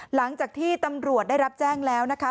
หลังจากที่ตำรวจได้รับแจ้งแล้วนะคะ